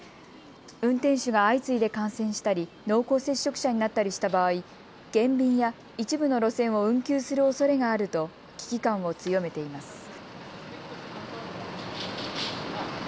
運転手が相次いで感染したり濃厚接触者になったりした場合、減便や一部の路線を運休するおそれがあると危機感を強めています。